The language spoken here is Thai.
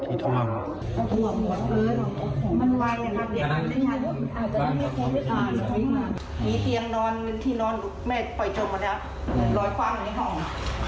มีเตี๊ยงนอนเมื่อที่นอนแม่ปล่อยจมมาแล้วล้อยคว่างในห้อง